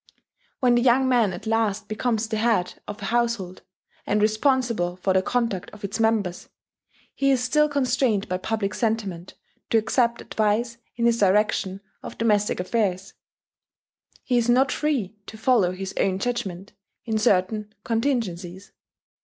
When the young man at last becomes the head of a household, and responsible for the conduct of its members, he is still constrained by public sentiment to accept advice in his direction of domestic affairs. He is not free to follow his own judgment, in certain contingencies.